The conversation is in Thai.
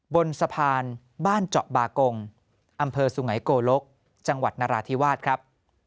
บนสะพานบ้านเจาะบากงอำเภอสุไงโกลกจังหวัดนราธิวาสครับ